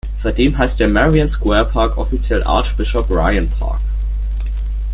Seitdem heißt der "Merrion Square Park" offiziell "Archbishop Ryan Park".